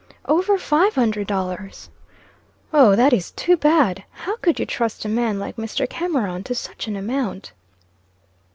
"Over five hundred dollars." "O, that is too bad! How could you trust a man like Mr. Cameron to such an amount?"